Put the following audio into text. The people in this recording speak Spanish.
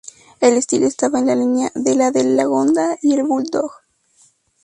El estilo estaba en la línea de la del Lagonda y el Bulldog.